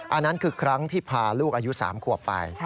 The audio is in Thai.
อันนั้นคือครั้งที่พาลูกอายุ๓ขวบไป